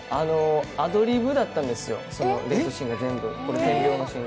アドリブだったんですよ、デートシーンが全部。